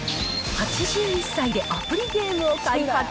８１歳でアプリゲームを開発。